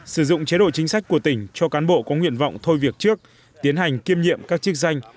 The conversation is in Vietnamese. sử dụng chế độ chính sách của tỉnh cho cán bộ có nguyện vọng thôi việc trước tiến hành kiêm nhiệm các chức danh